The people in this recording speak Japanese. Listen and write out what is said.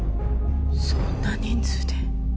そんな人数で。